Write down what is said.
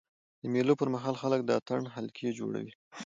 د مېلو پر مهال خلک د اتڼ حلقې جوړوي.